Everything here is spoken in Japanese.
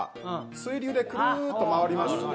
水流でくるっと回ります。